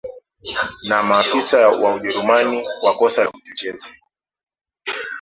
na maafisa wa Ujerumani kwa kosa la uchochezi